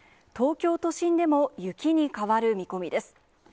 東京都心でも雪に変わる見込みです。